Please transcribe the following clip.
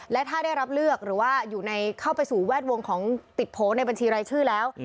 และถ้าได้รับเลือกหรือว่าเข้าไปสู่แวดวงของติดโผล่ในบัญชีรายชื่อแล้ว